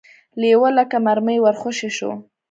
لېوه لکه مرمۍ ور خوشې شو.